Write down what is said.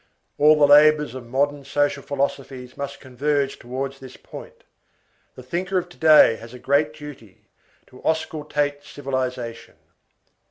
All the labors of modern social philosophies must converge towards this point. The thinker of to day has a great duty—to auscultate civilization.